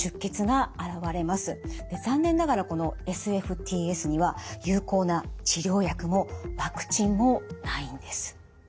残念ながらこのＳＦＴＳには有効な治療薬もワクチンもないんです。